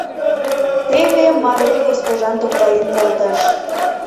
Теве Марель госпожан тогдаен колтыш.